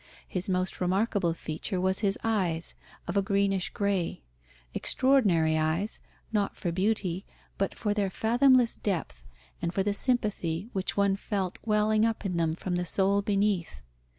His most remarkable feature was his eyes, of a greenish grey: extraordinary eyes, not for beauty, but for their fathomless depth, and for the sympathy which one felt welling up in them from the soul beneath.